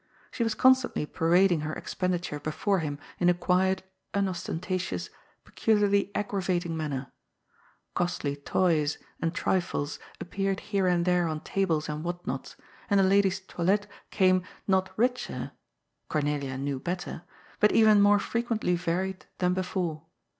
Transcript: She was con stantly parading her expenditure before him in a quiet, un ostentatious, peculiarly aggravating manner. Costly toys, and trifles appeared here and there on tables and whatnots, and the lady's toilet became, not richer — Cornelia knew better — ^but even more frequently varied than before.